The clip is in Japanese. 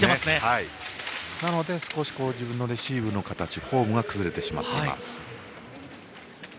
なので、少し自分のレシーブの形フォームが崩れてしまっています。